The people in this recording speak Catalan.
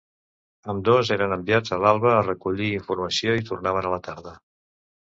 Ambdós eren enviats a l'alba a recollir informació i tornaven a la tarda.